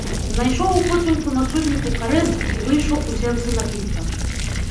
Знайшоў упоцемку на судніку карэц і выйшаў у сенцы напіцца.